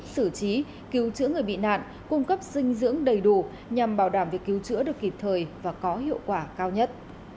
sử trí cứu chữa người bị nạn cung cấp dinh dưỡng đầy đủ nhằm bảo đảm việc cứu chữa được kịp thời và có hiệu quả cao nhất